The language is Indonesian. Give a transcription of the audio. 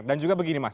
dan juga begini mas